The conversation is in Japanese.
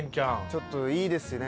ちょっといいですね